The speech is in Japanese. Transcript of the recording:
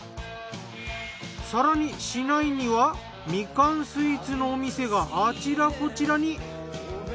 更に市内にはみかんスイーツのお店があちらこちらに。